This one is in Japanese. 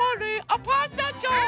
あパンダちゃん！